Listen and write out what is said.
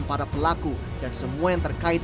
para pelaku dan semua yang terkait